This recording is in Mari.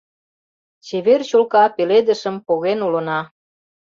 Чевер чолка пеледышым поген улына.